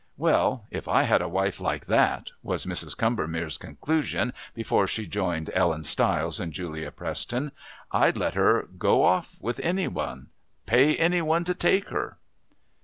"Well, if I had a wife like that," was Mrs. Combermere's conclusion before she joined Ellen Stiles and Julia Preston, "I'd let her go off with any one! Pay any one to take her!"